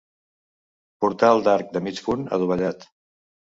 Portal d'arc de mig punt adovellat.